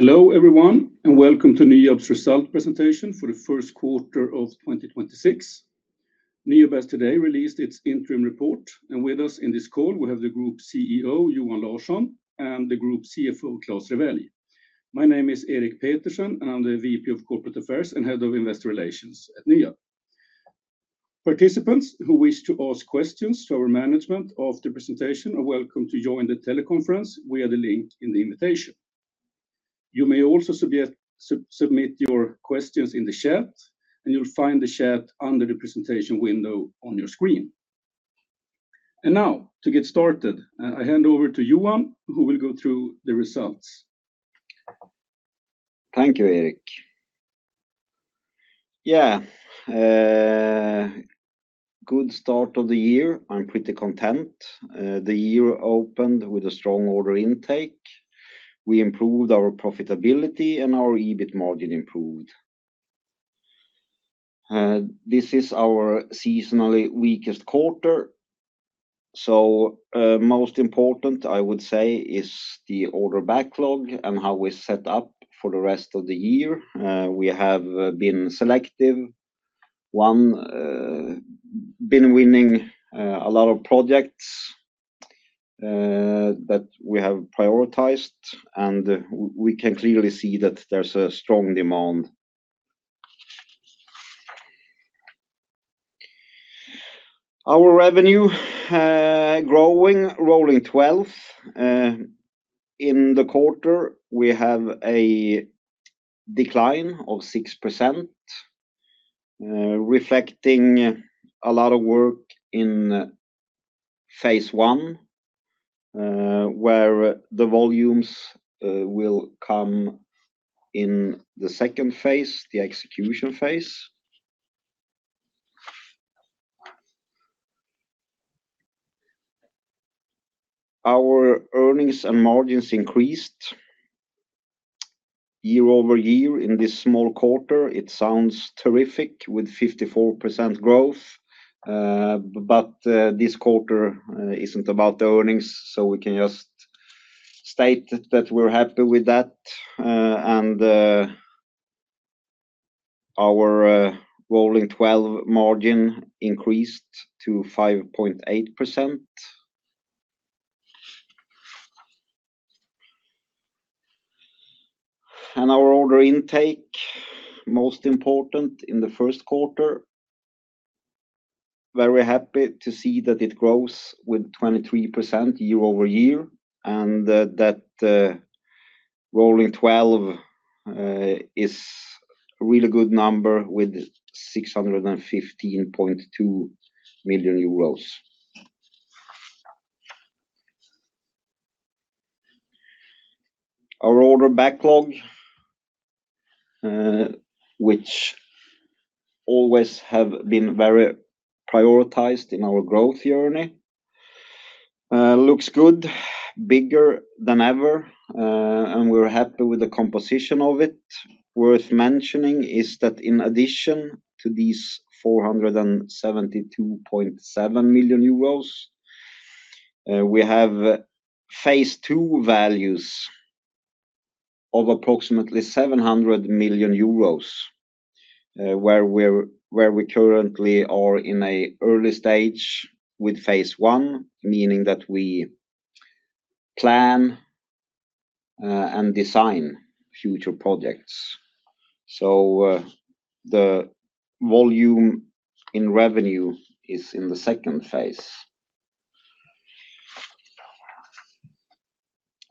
Hello everyone, welcome to NYAB's result presentation for the first quarter of 2026. NYAB has today released its interim report, and with us in this call, we have the Group CEO, Johan Larsson, and the Group CFO, Klas Rewelj. My name is Erik Petersen, and I'm the VP of Corporate Affairs and Head of Investor Relations at NYAB. Participants who wish to ask questions to our management of the presentation are welcome to join the teleconference via the link in the invitation. You may also submit your questions in the chat, and you'll find the chat under the presentation window on your screen. Now, to get started, I hand over to Johan, who will go through the results. Thank you, Erik. Yeah. Good start of the year. I am pretty content. The year opened with a strong order intake. We improved our profitability, our EBIT margin improved. This is our seasonally weakest quarter. Most important, I would say, is the order backlog and how we are set up for the rest of the year. We have been selective. One, been winning a lot of projects that we have prioritized, we can clearly see that there is a strong demand. Our revenue, growing rolling 12. In the quarter, we have a decline of 6%, reflecting a lot of work in phase I, where the volumes will come in the second phase, the execution phase. Our earnings and margins increased year-over-year in this small quarter. It sounds terrific with 54% growth, but this quarter isn't about the earnings, so we can just state that we're happy with that. Our rolling 12 margin increased to 5.8%. Our order intake, most important in the first quarter, very happy to see that it grows with 23% year-over-year, and that rolling 12 is a really good number with 615.2 million euros. Our order backlog, which always have been very prioritized in our growth journey, looks good, bigger than ever, and we're happy with the composition of it. Worth mentioning is that in addition to these 472.7 million euros, we have phase II values of approximately 700 million euros, where we currently are in an early stage with phase I, meaning that we plan and design future projects. The volume in revenue is in the second phase.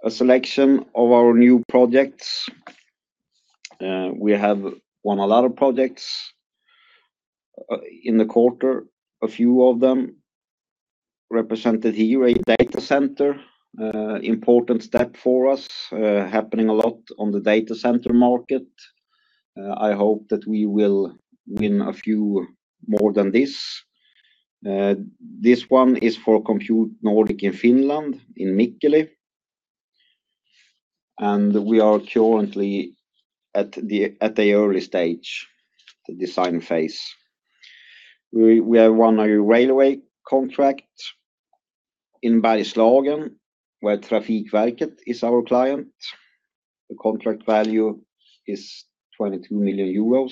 A selection of our new projects. We have won a lot of projects in the quarter. A few of them represented here, a data center. Important step for us, happening a lot on the data center market. I hope that we will win a few more than this. This one is for Compute Nordic in Finland, in Mikkeli, and we are currently at the early stage, the design phase. We have won a railway contract in Bergslagen, where Trafikverket is our client. The contract value is EUR 22 million.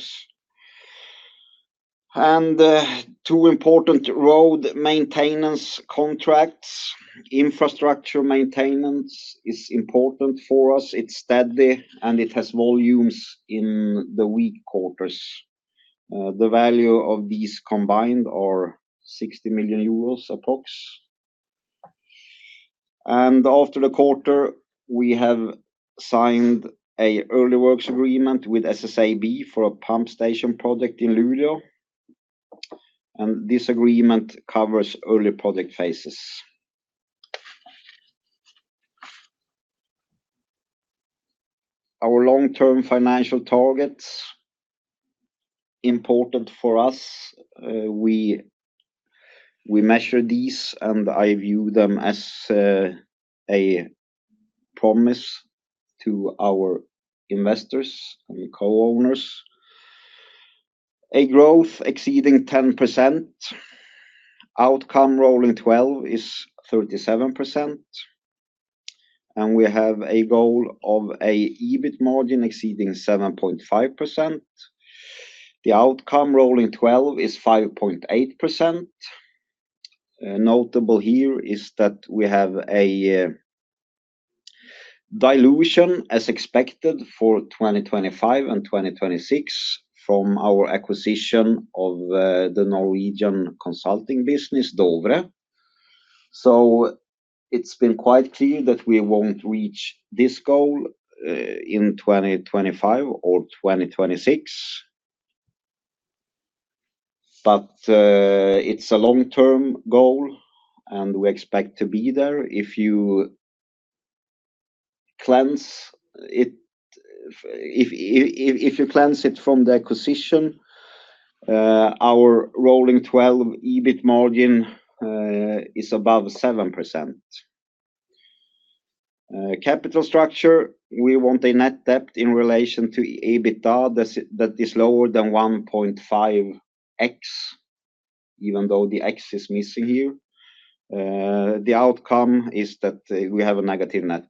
Two important road maintenance contracts. Infrastructure maintenance is important for us. It's steady, and it has volumes in the weak quarters. The value of these combined are 60 million euros approx. After the quarter, we have signed an early works agreement with SSAB for a pump station project in Luleå, and this agreement covers early project phases. Our long-term financial targets, important for us. We measure these, and I view them as a promise to our investors and co-owners. A growth exceeding 10%. Outcome rolling twelve is 37%. We have a goal of an EBIT margin exceeding 7.5%. The outcome rolling 12 is 5.8%. Notable here is that we have a dilution as expected for 2025 and 2026 from our acquisition of the Norwegian consulting business, Dovre. It's been quite clear that we won't reach this goal in 2025 or 2026. It's a long-term goal, and we expect to be there. If you cleanse it from the acquisition, our rolling 12 EBIT margin is above 7%. Capital structure, we want a net debt in relation to EBITDA that is lower than 1.5x, even though the x is missing here. The outcome is that we have a negative net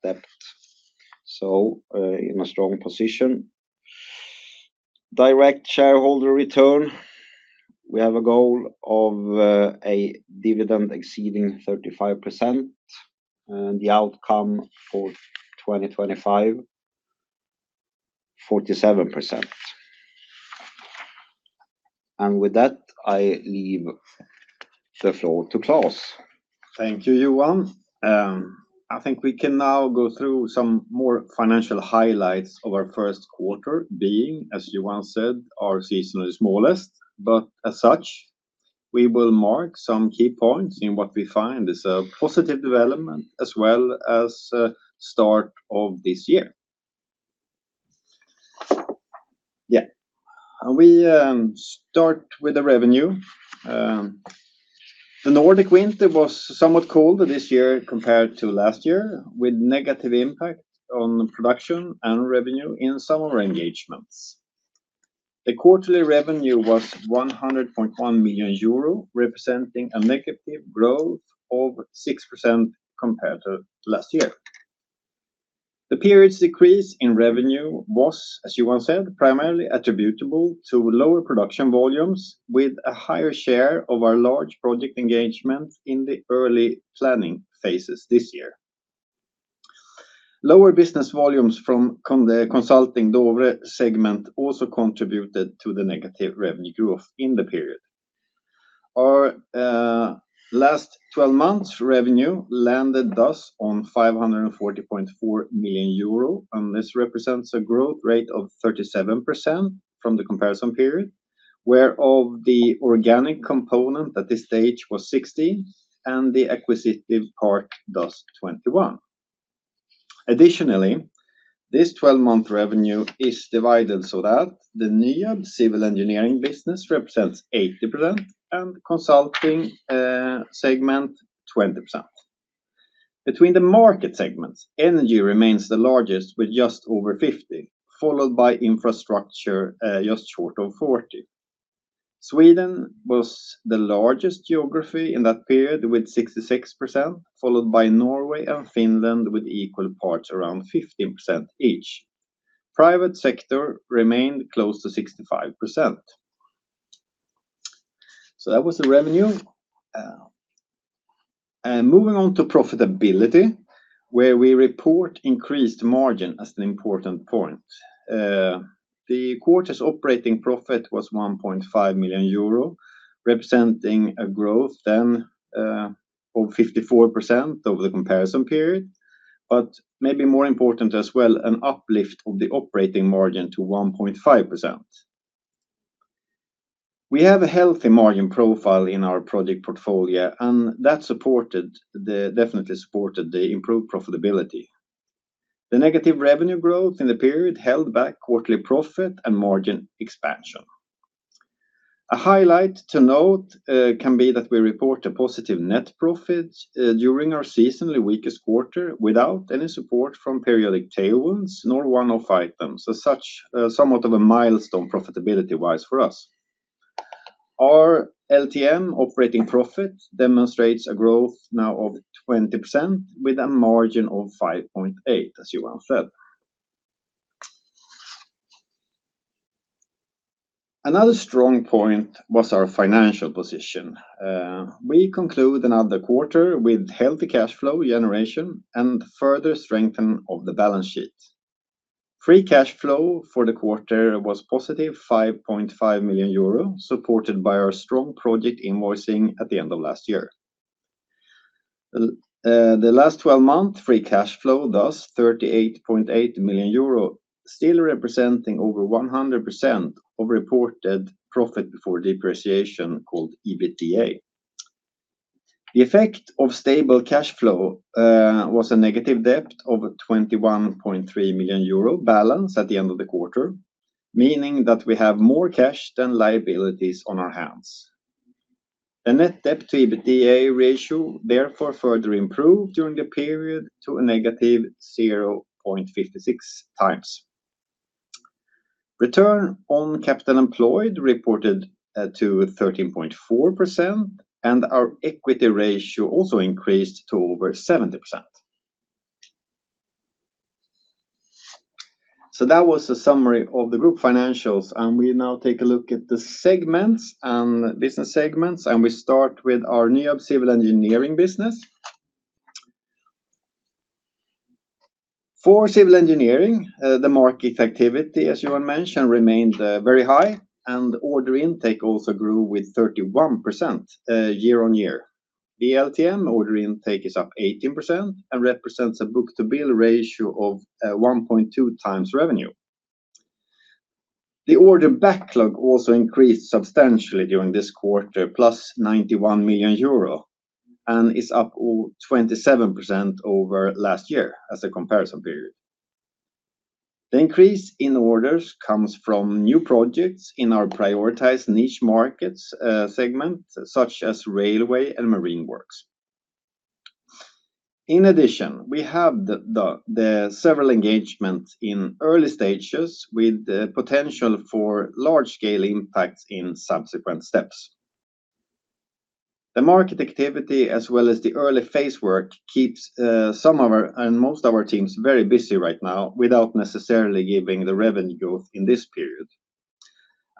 debt in a strong position. Direct shareholder return, we have a goal of a dividend exceeding 35%. The outcome for 2025, 47%. With that, I leave the floor to Klas. Thank you, Johan. I think we can now go through some more financial highlights of our first quarter being, as Johan said, our seasonally smallest. As such, we will mark some key points in what we find is a positive development as well as start of this year. Yeah. We start with the revenue. The Nordic winter was somewhat colder this year compared to last year, with negative impact on production and revenue in summer engagements. The quarterly revenue was 100.1 million euro, representing a negative growth of 6% compared to last year. The period's decrease in revenue was, as Johan said, primarily attributable to lower production volumes with a higher share of our large project engagement in the early planning phases this year. Lower business volumes from the consulting Dovre segment also contributed to the negative revenue growth in the period. Our last 12 months revenue landed thus on 540.4 million euro, and this represents a growth rate of 37% from the comparison period, whereof the organic component at this stage was 60%, and the acquisitive part thus 21%. Additionally, this 12-month revenue is divided so that the NYAB civil engineering business represents 80% and consulting segment 20%. Between the market segments, energy remains the largest with just over 50%, followed by infrastructure, just short of 40%. Sweden was the largest geography in that period with 66%, followed by Norway and Finland with equal parts around 15% each. Private sector remained close to 65%. That was the revenue. Moving on to profitability, where we report increased margin as an important point. The quarter's operating profit was 1.5 million euro, representing a growth then of 54% over the comparison period. Maybe more important as well, an uplift of the operating margin to 1.5%. We have a healthy margin profile in our project portfolio, and that definitely supported the improved profitability. The negative revenue growth in the period held back quarterly profit and margin expansion. A highlight to note can be that we report a positive net profit during our seasonally weakest quarter without any support from periodic tailwinds nor one-off items. As such, somewhat of a milestone profitability-wise for us. Our LTM operating profit demonstrates a growth now of 20% with a margin of 5.8%, as Johan said. Another strong point was our financial position. We conclude another quarter with healthy cash flow generation and further strengthening of the balance sheet. Free cash flow for the quarter was positive 5.5 million euro, supported by our strong project invoicing at the end of last year. The last 12 month, free cash flow, thus 38.8 million euro, still representing over 100% of reported profit before depreciation called EBITDA. The effect of stable cash flow was a negative debt of a 21.3 million euro balance at the end of the quarter, meaning that we have more cash than liabilities on our hands. The net debt to EBITDA ratio therefore further improved during the period to a -0.56x. Return on capital employed reported to 13.4%, and our equity ratio also increased to over 70%. That was a summary of the group financials. We now take a look at the segments and business segments. We start with our NYAB civil engineering business. For civil engineering, the market activity, as Johan mentioned, remained very high, and order intake also grew with 31% year-over-year. The LTM order intake is up 18% and represents a book-to-bill ratio of 1.2x revenue. The order backlog also increased substantially during this quarter, 91+ million euro, and is up 27% over last year as a comparison period. The increase in orders comes from new projects in our prioritized niche markets segment, such as railway and marine works. In addition, we have the several engagements in early stages with the potential for large-scale impacts in subsequent steps. The market activity as well as the early phase work keeps some of our and most of our teams very busy right now without necessarily giving the revenue growth in this period.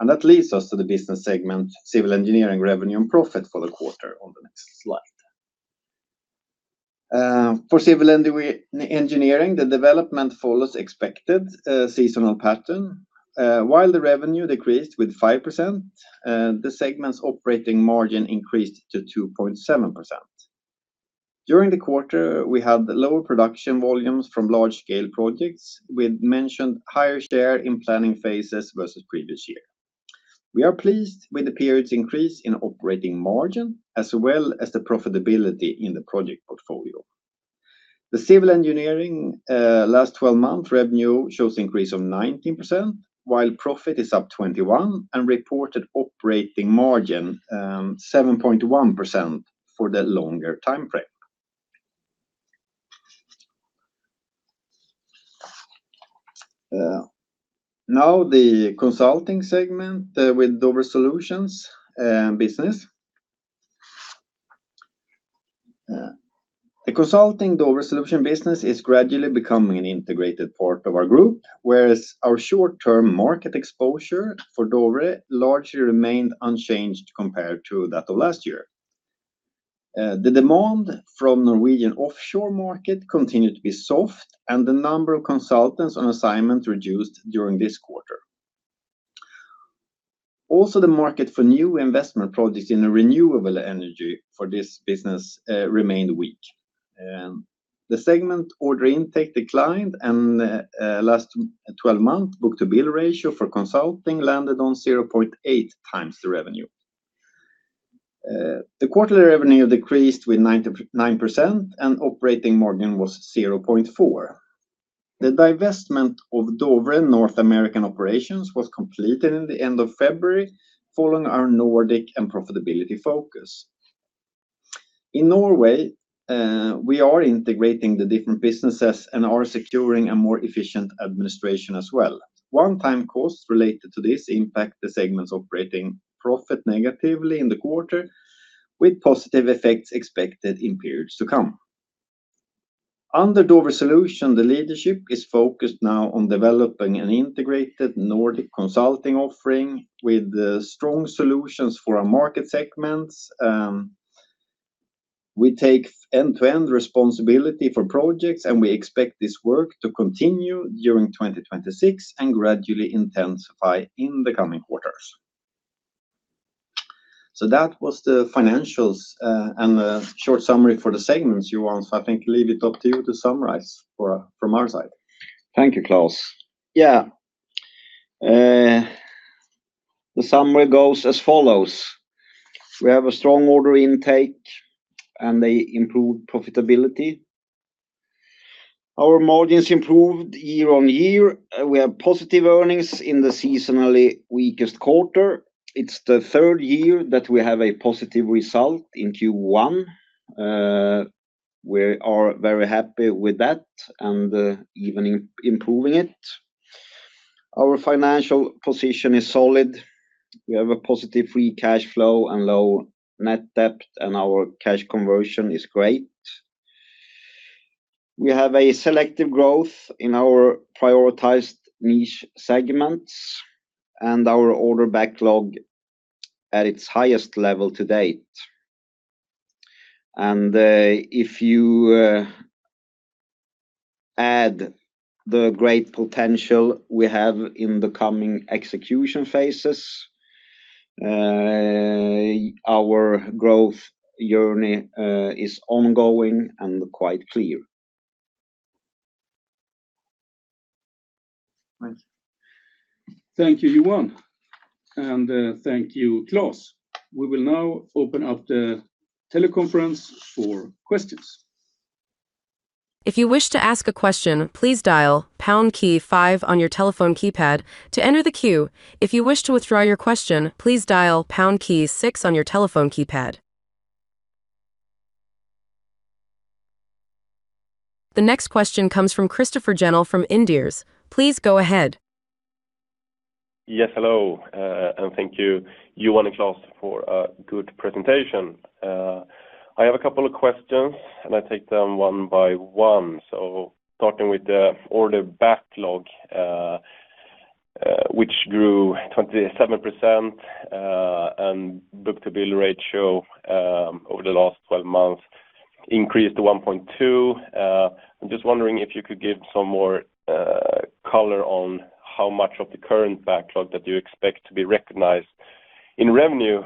That leads us to the business segment civil engineering revenue and profit for the quarter on the next slide. For civil engineering, the development follows expected seasonal pattern. While the revenue decreased with 5%, the segment's operating margin increased to 2.7%. During the quarter, we had lower production volumes from large-scale projects with mentioned higher share in planning phases versus previous year. We are pleased with the period's increase in operating margin as well as the profitability in the project portfolio. The civil engineering, last 12-month revenue shows increase of 19%, while profit is up 21% and reported operating margin, 7.1% for the longer timeframe. Now the consulting segment, with Dovre Solutions business. The consulting Dovre Solutions business is gradually becoming an integrated part of our group, whereas our short-term market exposure for Dovre largely remained unchanged compared to that of last year. The demand from Norwegian offshore market continued to be soft, and the number of consultants on assignment reduced during this quarter. Also, the market for new investment projects in the renewable energy for this business remained weak. The segment order intake declined, and last 12-month book-to-bill ratio for consulting landed on 0.8x the revenue. The quarterly revenue decreased with 99%, and operating margin was 0.4%. The divestment of Dovre North American operations was completed in the end of February following our Nordic and profitability focus. In Norway, we are integrating the different businesses and are securing a more efficient administration as well. One-time costs related to this impact the segment's operating profit negatively in the quarter, with positive effects expected in periods to come. Under Dovre Solutions, the leadership is focused now on developing an integrated Nordic consulting offering with strong solutions for our market segments. We take end-to-end responsibility for projects, and we expect this work to continue during 2026 and gradually intensify in the coming quarters. That was the financials and the short summary for the segments, Johan. I think leave it up to you to summarize from our side. Thank you, Klas. The summary goes as follows: We have a strong order intake and improved profitability. Our margins improved year-on-year. We have positive earnings in the seasonally weakest quarter. It's the 3rd year that we have a positive result in Q1. We are very happy with that and even improving it. Our financial position is solid. We have a positive free cash flow and low net debt, and our cash conversion is great. We have selective growth in our prioritized niche segments and our order backlog at its highest level to date. If you add the great potential we have in the coming execution phases, our growth journey is ongoing and quite clear. Thanks. Thank you, Johan. Thank you, Klas. We will now open up the teleconference for questions. If you wish to ask a question, please dial pound key five on your telephone keypad to enter the queue. If you wish to withdraw your question, please dial pound key six on your telephone keypad. The next question comes from Christoffer Jennel from Inderes. Please go ahead. Yes. Hello. Thank you, Johan and Klas, for a good presentation. I have a couple of questions, and I take them one by one. Starting with the order backlog, which grew 27%, book-to-bill ratio over the last 12 months increased to 1.2%. I'm just wondering if you could give some more color on how much of the current backlog that you expect to be recognized in revenue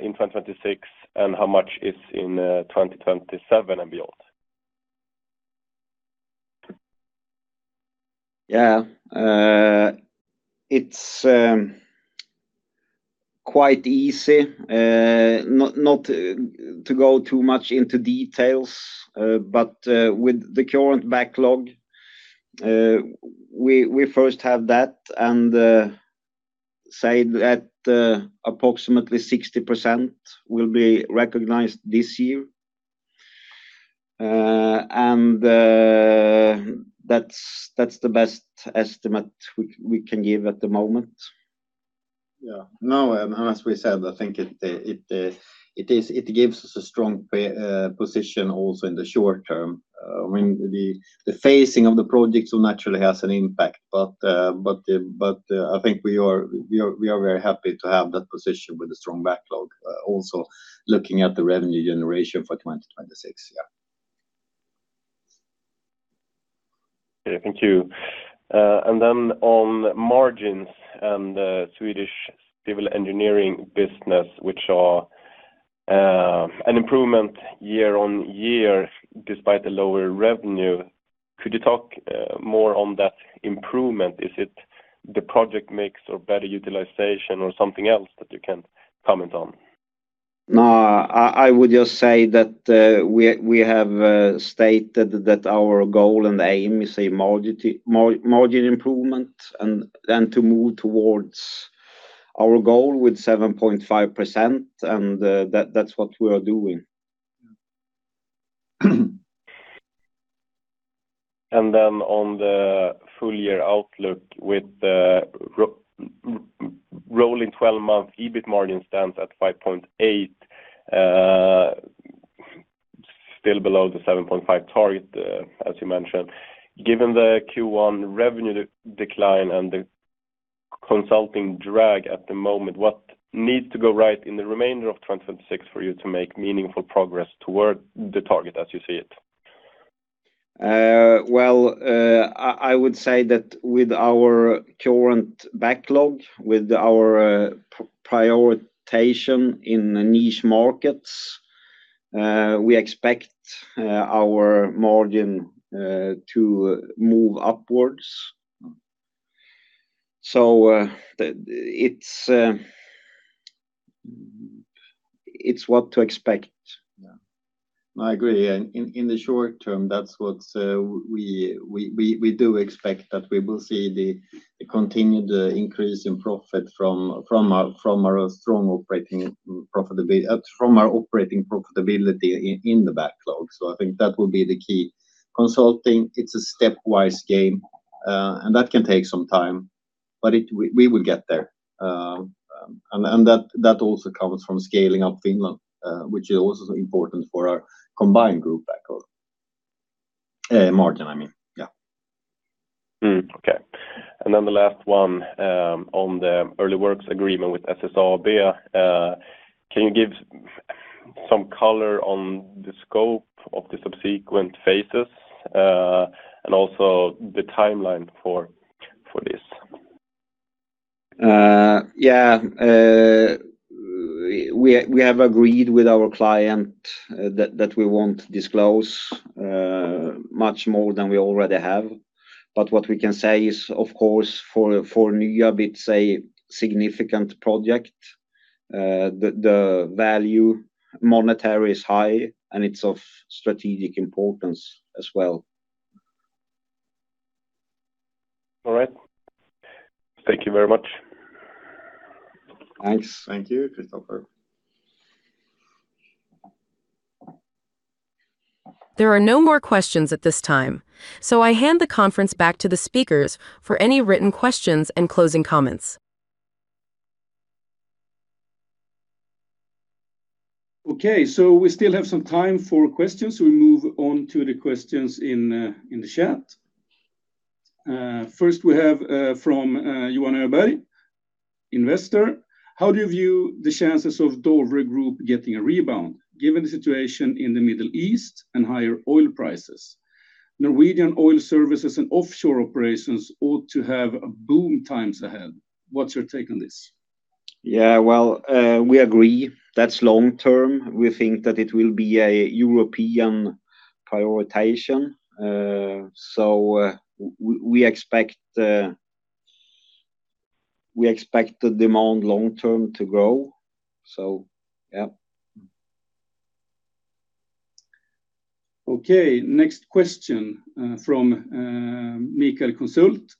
in 2026 and how much is in 2027 and beyond. Yeah. It's quite easy. Not to go too much into details, but with the current backlog, we first have that and say that approximately 60% will be recognized this year. That's the best estimate we can give at the moment. Yeah. No, as we said, I think it gives us a strong position also in the short term. I mean, the phasing of the projects will naturally has an impact, but I think we are very happy to have that position with a strong backlog, also looking at the revenue generation for 2026. Yeah. Okay. Thank you. On margins and the Swedish civil engineering business, which saw an improvement year-over-year despite the lower revenue. Could you talk more on that improvement? Is it the project mix or better utilization or something else that you can comment on? No. I would just say that we have stated that our goal and aim is a margin improvement and then to move towards our goal with 7.5%, and that's what we are doing. Then on the full year outlook with the rolling twelve-month EBIT margin stands at 5.8%, still below the 7.5% target, as you mentioned. Given the Q1 revenue decline and the consulting drag at the moment, what needs to go right in the remainder of 2026 for you to make meaningful progress toward the target as you see it? Well, I would say that with our current backlog, with our prioritization in niche markets, we expect our margin to move upwards. It's what to expect. Yeah. I agree. In the short term, that's what we do expect that we will see the continued increase in profit from our strong operating profitability in the backlog. I think that will be the key. Consulting, it's a stepwise game, and that can take some time, but we will get there. That also comes from scaling up Finland, which is also important for our combined group backlog. Margin, I mean. Yeah. Okay. Then the last one, on the early works agreement with SSAB. Can you give some color on the scope of the subsequent phases, and also the timeline for this? Yeah. We have agreed with our client that we won't disclose much more than we already have. What we can say is, of course, for NYAB, it's a significant project. The value monetary is high, and it's of strategic importance as well. All right. Thank you very much. Thanks. Thank you, Christoffer. There are no more questions at this time, so I hand the conference back to the speakers for any written questions and closing comments. Okay, we still have some time for questions. We move on to the questions in the chat. First, we have from Johan Öberg, Investor. How do you view the chances of Dovre Group getting a rebound, given the situation in the Middle East and higher oil prices? Norwegian oil services and offshore operations ought to have boom times ahead. What's your take on this? Well, we agree. That's long-term. We think that it will be a European prioritization. We expect the demand long term to grow. Yeah. Okay. Next question, from Mikael Konsult.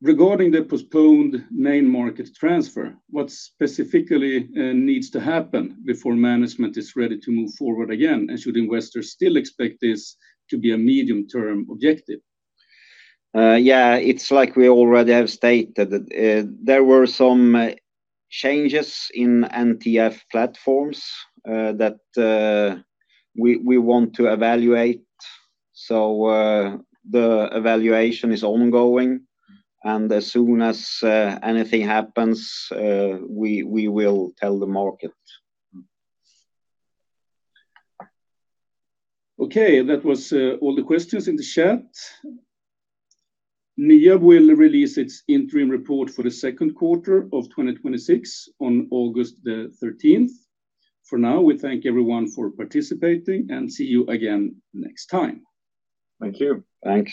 Regarding the postponed main market transfer, what specifically needs to happen before management is ready to move forward again? Should investors still expect this to be a medium-term objective? Yeah. It's like we already have stated. There were some changes in MTF platforms, that we want to evaluate. The evaluation is ongoing, and as soon as anything happens, we will tell the market. Okay. That was all the questions in the chat. NYAB will release its interim report for the second quarter of 2026 on August 13th. For now, we thank everyone for participating, and see you again next time. Thank you. Thanks.